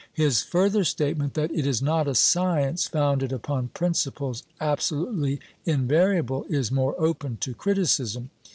His further statement, that "it is not a science founded upon principles absolutely invariable," is more open to criticism.